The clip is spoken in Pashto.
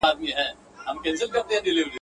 ما ورکتل چي د مرګي پياله یې ونوشله.